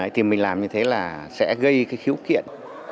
thì mình làm như thế là sẽ gây cái khiếu kiện